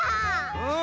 うん。